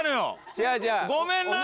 違う違うごめんな！